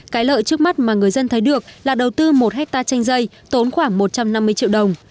cái lợi trước mắt mà người dân thấy được là đầu tư một hectare chanh dây tốn khoảng một trăm năm mươi triệu đồng